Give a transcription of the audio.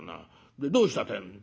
でどうしたってえんだ」。